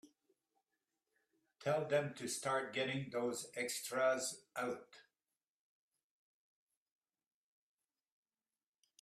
Tell them to start getting those extras out.